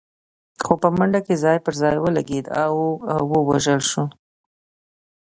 خو په منډه کې ځای پر ځای ولګېد او ووژل شو.